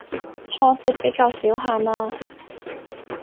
挫折比較少下嘛